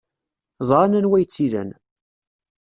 Ẓran anwa ay tt-ilan.